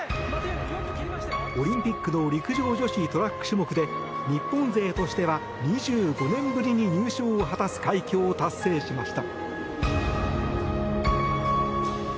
オリンピックの陸上女子トラック種目で日本勢としては２５年ぶりに入賞を果たす快挙を達成しました。